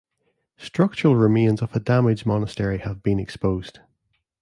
Structural remains of a damaged monastery have been exposed.